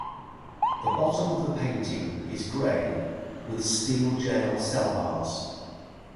The bottom of the painting is gray with steel jail cell bars.